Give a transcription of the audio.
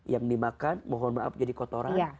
yang dimakan mohon maaf jadi kotoran